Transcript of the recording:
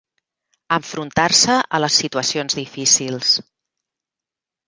Enfrontar-se a les situacions difícils.